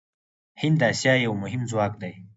هند د اسیا یو مهم ځواک دی.